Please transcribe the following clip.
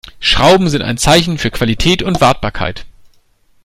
Schrauben sind ein Zeichen für Qualität und Wartbarkeit.